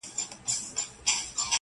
په تن خوار دی خو په عقل دی تللی٫